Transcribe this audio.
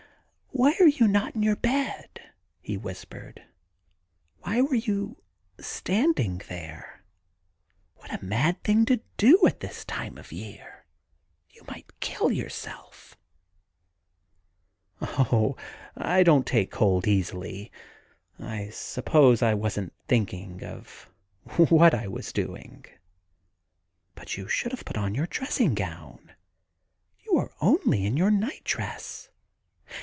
Why are you not in your bed ?' he whispered. * Why were you standing there? What a mad thing to do at this time of year 1 You might kill yourself 1 ' 'Oh, I don't take cold easily. I suppose I wasn't thinking of what I was doing.' *But you should have put on your dressing gown. You are only in your night dress.